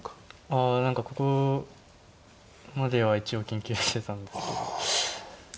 ああ何かここまでは一応研究してたんですけど。